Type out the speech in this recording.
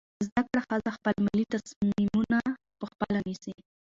زده کړه ښځه خپل مالي تصمیمونه پخپله نیسي.